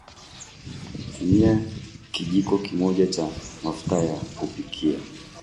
tumia kijiko kimoja cha mafuta ya kupikia